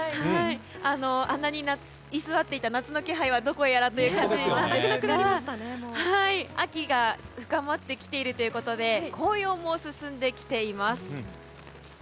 あんなに居座っていた夏の気配はどこへやらという感じですが秋が深まってきているということで紅葉も進んできています。